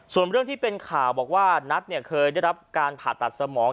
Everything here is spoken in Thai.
ส่วนเรื่องที่เป็นข่าวบอกว่านัทเคยได้รับการผ่าตัดสมอง